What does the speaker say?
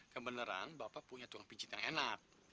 kebeneran bapak punya tuang pijit yang enak